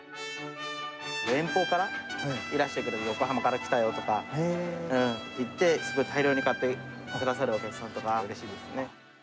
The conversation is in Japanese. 遠方からいらしてくれる横浜から来たよとか言って、大量に買ってくださるお客さんとか、うれしいですね。